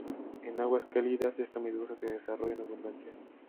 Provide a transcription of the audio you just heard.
En aguas cálidas esta medusa se desarrolla en abundancia.